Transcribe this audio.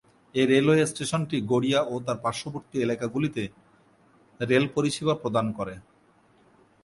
এই রেলওয়ে স্টেশনটি গড়িয়া ও তার পার্শ্ববর্তী এলাকাগুলিতে রেল পরিষেবা প্রদান করে।